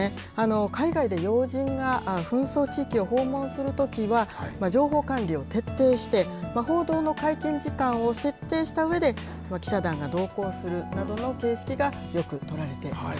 海外で要人が紛争地域を訪問するときは、情報管理を徹底して、報道の解禁時間を設定したうえで、記者団が同行するなどの形式がよく取られています。